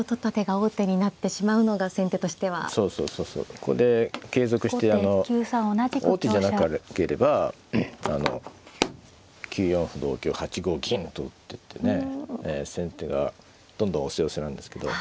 ここで継続してあの王手じゃなければ９四歩同香８五銀と打ってってね先手がどんどん押せ押せなんですけど王手なんでね。